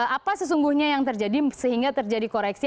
apa sesungguhnya yang terjadi sehingga terjadi koreksi